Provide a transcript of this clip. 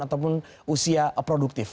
ataupun usia produktif